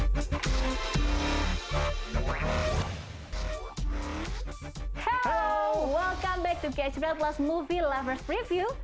halo selamat datang kembali di catch play plus movie lover's preview